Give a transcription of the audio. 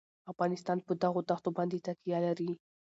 افغانستان په دغو دښتو باندې تکیه لري.